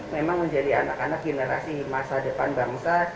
memang menjadi anak anak generasi masa depan bangsa